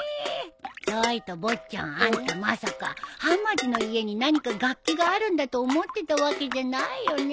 ちょいと坊ちゃんあんたまさかはまじの家に何か楽器があるんだと思ってたわけじゃないよねえ？